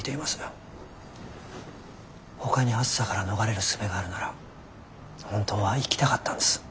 ほかに熱さから逃れるすべがあるなら本当は生きたかったんです。